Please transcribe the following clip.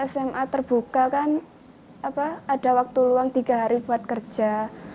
sma terbuka kan ada waktu luang tiga hari buat kerja